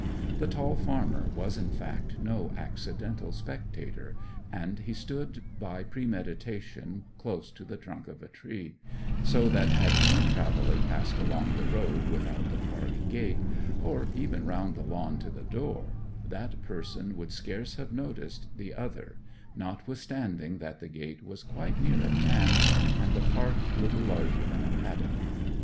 The tall farmer was in fact no accidental spectator, and he stood by premeditation close to the trunk of a tree, so that had any traveller passed along the road without the park gate, or even round the lawn to the door, that person would scarce have noticed the other, notwithstanding that the gate was quite near at hand, and the park little larger than a paddock.